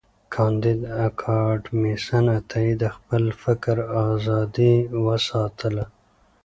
کانديد اکاډميسن عطایي د خپل فکر آزادی وساتله.